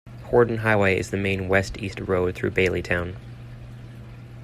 Horton Highway is the main west-east road through Baileyton.